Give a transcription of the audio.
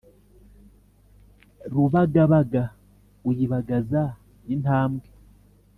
rubagabaga uyibagaza intambwe